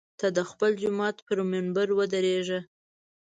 ته د خپل جومات پر منبر ودرېږه.